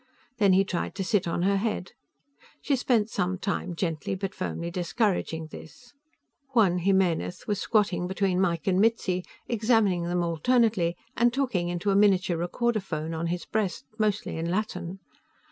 Then he tried to sit on her head. She spent some time gently but firmly discouraging this. Juan Jimenez was squatting between Mike and Mitzi, examining them alternately and talking into a miniature recorder phone on his breast, mostly in Latin.